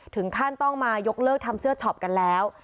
ถึงขั้นต้องมายกเลิกทำเสื้อช็อปกันแล้ว